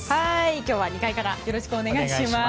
今日は２階からよろしくお願いします。